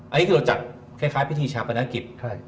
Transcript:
อันนี้คือเราจัดคล้ายพิธีชาปนกิจ